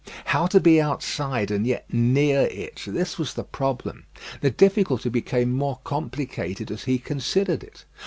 How to be outside and yet near it, this was the problem. The difficulty became more complicated as he considered it.